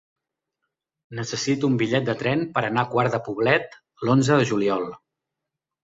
Necessito un bitllet de tren per anar a Quart de Poblet l'onze de juliol.